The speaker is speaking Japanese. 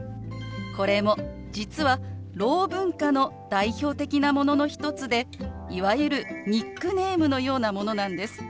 これも実はろう文化の代表的なものの一つでいわゆるニックネームのようなものなんです。